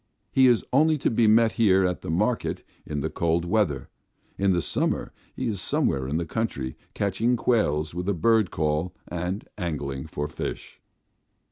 He is only to be met here at the market in the cold weather; in the summer he is somewhere in the country, catching quails with a bird call and angling for fish.